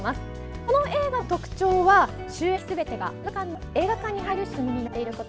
この映画の特徴は収益すべてが映画館に入る仕組みになっていること。